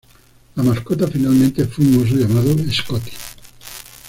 La mascota finalmente fue un oso, llamado "Scotty".